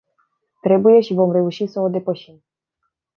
Trebuie și vom reuși să o depășim.